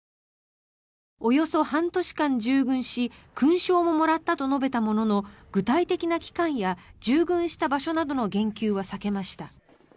およそ半年間従軍し勲章ももらったと述べたものの具体的な期間や従軍した場所などの言及は避けました。